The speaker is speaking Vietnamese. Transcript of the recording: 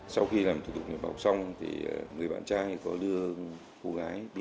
sau khi làm thủ tục nghiệp học xong người bạn trai có đưa cô gái vào trường trung cấp nghề